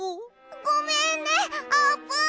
ごめんねあーぷん！